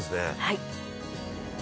「はい」